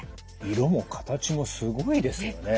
色も形もすごいですよね。